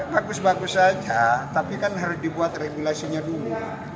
bagus bagus saja tapi kan harus dibuat regulasinya dulu